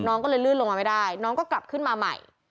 น้องก็เลยลื่นลงมาไม่ได้น้องก็กลับขึ้นมาใหม่